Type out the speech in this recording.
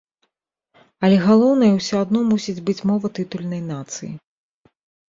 Але галоўнай усё адно мусіць быць мова тытульнай нацыі.